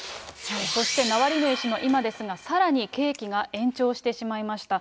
そしてナワリヌイ氏の今ですが、さらに刑期が延長してしまいました。